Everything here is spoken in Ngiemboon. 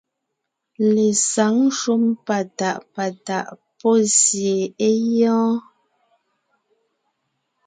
Lesǎŋ shúm patàʼ patàʼ pɔ́ sie é gyɔ́ɔn.